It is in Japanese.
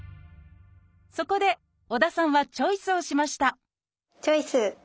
そこで織田さんはチョイスをしましたチョイス！